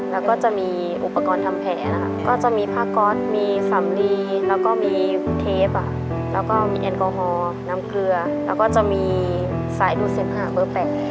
แล้วก็จะมีอุปกรณ์ทำแผลนะคะก็จะมีผ้าก๊อตมีสำลีแล้วก็มีเทปแล้วก็มีแอลกอฮอลน้ำเกลือแล้วก็จะมีสายดูเซฟหาเบอร์แปะ